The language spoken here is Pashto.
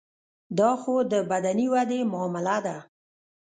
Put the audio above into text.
دا خو د بدني ودې معامله ده.